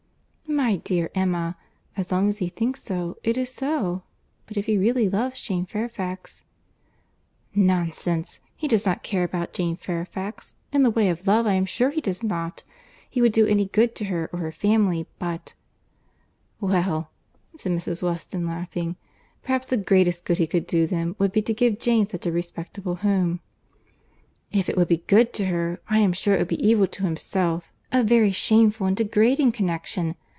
"My dear Emma, as long as he thinks so, it is so; but if he really loves Jane Fairfax—" "Nonsense! He does not care about Jane Fairfax. In the way of love, I am sure he does not. He would do any good to her, or her family; but—" "Well," said Mrs. Weston, laughing, "perhaps the greatest good he could do them, would be to give Jane such a respectable home." "If it would be good to her, I am sure it would be evil to himself; a very shameful and degrading connexion.